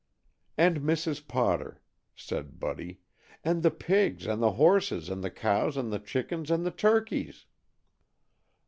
"And Mrs. Potter," said Buddy, "and the pigs, and the horses, and the cows, and the chickens, and the turkeys."